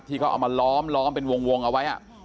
ที่เขาเอามาล้อมเป็นวงเอาไว้